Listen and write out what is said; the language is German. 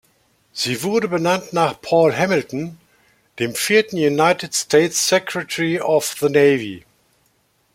Sie wurde benannt nach Paul Hamilton, dem vierten United States Secretary of the Navy.